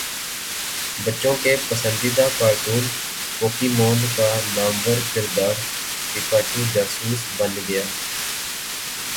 بچوں کے پسندیدہ کارٹون پوکیمون کا نامور کردار پکاچو جاسوس بن گیا